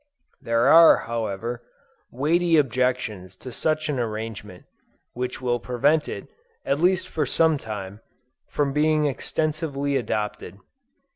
There are however, weighty objections to such an arrangement, which will prevent it, at least for some time, from being extensively adopted.